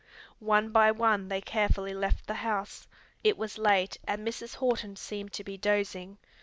One by one they carefully left the house. It was late, and Mrs. Horton seemed to be dozing.